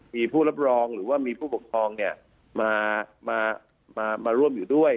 มีผู้รับรองหรือว่ามีผู้ปกครองมาร่วมอยู่ด้วย